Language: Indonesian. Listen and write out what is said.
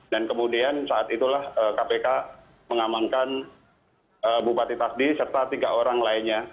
dan kemudian saat itulah kpk mengamankan bupati tasdi serta tiga orang lainnya